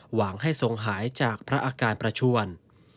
หวังให้ทรงหายจากพระอาการประชวน